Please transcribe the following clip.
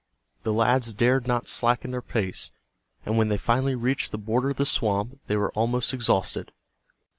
The lads dared not slacken their pace, and when they finally reached the border of the swamp they were almost exhausted.